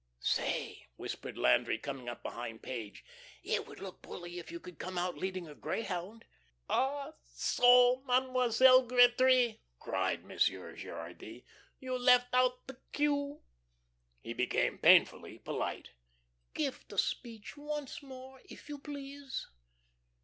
'" "Say," whispered Landry, coming up behind Page, "it would look bully if you could come out leading a greyhound." "Ah, so, Mademoiselle Gretry," cried Monsieur Gerardy, "you left out the cue." He became painfully polite. "Give the speech once more, if you please."